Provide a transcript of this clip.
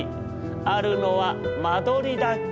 あるのは間取りだけ。